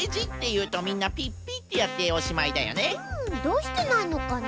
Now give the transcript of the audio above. うんどうしてないのかな？